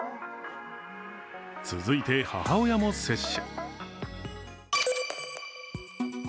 続いて、母親も接種。